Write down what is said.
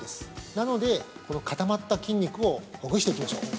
なので、この固まった筋肉をほぐしていきましょう。